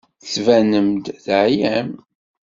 Tettbanem-d teɛyam.